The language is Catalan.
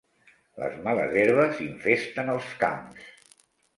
Les males herbes infesten els camps.